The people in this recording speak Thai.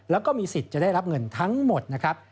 แล้วก็มีสิทธิ์จะได้รับเงินทั้งหมดนะครับ